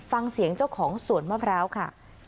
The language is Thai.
ฟังเสียงเจ้าของสวนมะพร้าวค่ะ